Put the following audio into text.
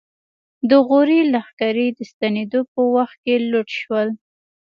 د غوري لښکرې د ستنېدو په وخت کې لوټ شول.